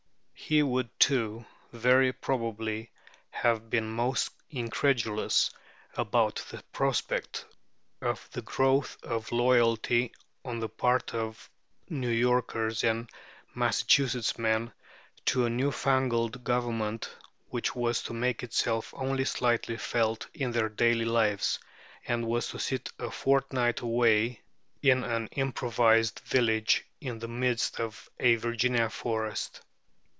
He would, too, very probably have been most incredulous about the prospect of the growth of loyalty on the part of New Yorkers and Massachusetts men to a new fangled government, which was to make itself only slightly felt in their daily lives, and was to sit a fortnight away in an improvised village in the midst of a Virginian forest.